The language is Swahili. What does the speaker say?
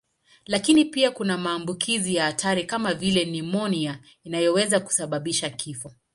Lakini pia kuna maambukizi ya hatari kama vile nimonia inayoweza kusababisha kifo.